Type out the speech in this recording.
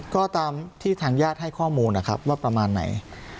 ก็ตามที่ทางญาติให้ข้อมูลนะครับว่าประมาณไหน